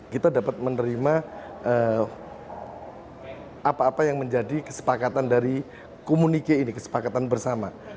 kita dapat menerima apa apa yang menjadi kesepakatan dari komunike ini kesepakatan bersama